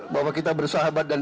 bahwa kita bersahabat dan